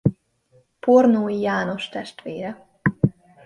Pornói János testvére.